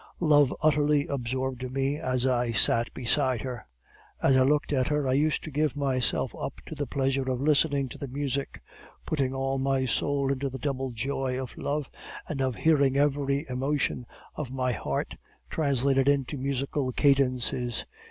Love utterly absorbed me as I sat beside her; as I looked at her I used to give myself up to the pleasure of listening to the music, putting all my soul into the double joy of love and of hearing every emotion of my heart translated into musical cadences.